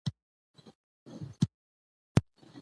سلیمان غر د افغانستان د فرهنګي فستیوالونو یوه برخه ده.